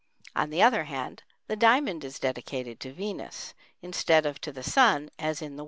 On the other hand, the diamond is dedicated to Venus, instead of to the Sun as in the Western world.